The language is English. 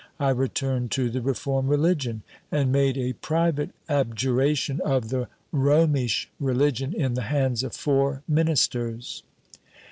I returned to the reformed religion, and made a private abjuration of the Romish religion, in the hands of four ministers.